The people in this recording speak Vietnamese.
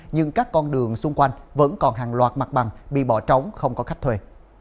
nhưng các con đường xung quanh vẫn còn hàng loạt mặt bằng bị bỏ trống không có khách thuê